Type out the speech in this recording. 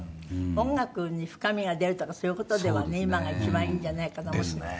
音楽に深みが出るとかそういう事ではね今が一番いいんじゃないかと思ってます。